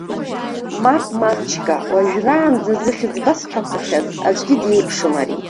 Мап, мамчка, уажәраанӡа зыхьӡ басҳәақәахьаз аӡәгьы диеиԥшым ари.